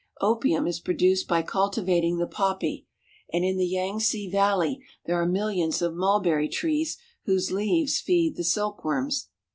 Opium is produced by cultivating the poppy, and in the Yangtze valley there are millions of mul berry trees whose leaves feed the silkworms.